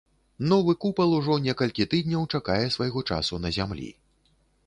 Новы купал ужо некалькі тыдняў чакае свайго часу на зямлі.